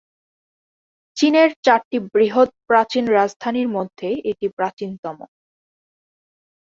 চীনের চারটি বৃহৎ প্রাচীন রাজধানীর মধ্যে এটি প্রাচীনতম।